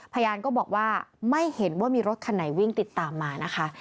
พยานก็บอกว่าไม่เห็นว่ามีรถคันไหนวิ่งติดตามมานะคะ